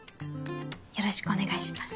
よろしくお願いします。